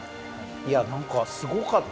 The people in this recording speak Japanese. いや何かすごかった。